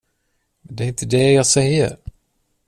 Det är inte det jag säger.